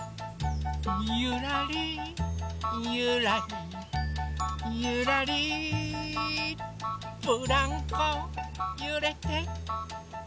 ゆらりゆらりゆらりブランコゆれてゆらりっと。